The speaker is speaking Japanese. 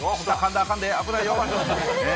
らあかんで、危ないよ。